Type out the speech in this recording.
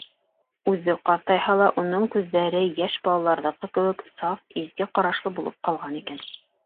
Үҙе ҡартайһа ла, уның күҙҙәре йәш балаларҙыҡы кеүек саф, изге ҡарашлы булып ҡалған икән.